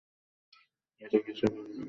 এটা কি সুপারম্যানকে খুঁজে বের করার সেরা উপায়?